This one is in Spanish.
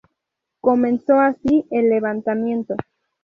Comenzó así el levantamiento.